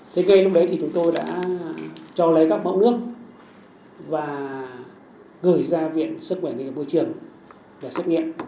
thế cây lúc đấy thì chúng tôi đã cho lấy các bão nước và gửi ra viện sức khỏe nghệ bôi trường để xét nghiệm